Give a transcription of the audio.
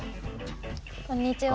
こんにちは。